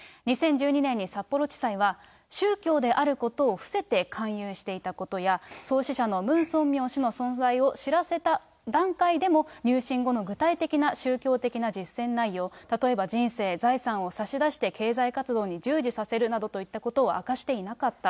２０１２年に札幌地裁は、宗教であることを伏せて勧誘していたことや、創始者のムン・ソンミョン氏の存在を知らせた段階でも、入信後の具体的な宗教的な実践内容、例えば人生、財産を差し出して経済活動に従事させるなどといったことを明かしていなかった。